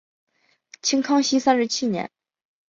清康熙三十七年。